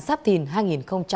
sát thìn hai nghìn hai mươi bốn